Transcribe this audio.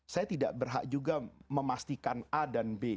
saya tidak berhak juga memastikan a dan b